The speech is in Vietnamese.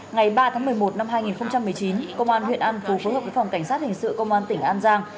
ngày ba tháng một mươi một năm hai nghìn một mươi chín công an huyện an phú phối hợp với phòng cảnh sát hình sự công an tỉnh an giang